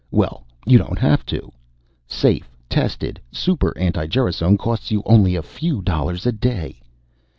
Well, you don't have to. Safe, tested Super anti gerasone costs you only a few dollars a day.